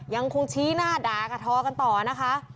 ยังคงชี้หน้าด่ากระท้อกันต่อนะคะ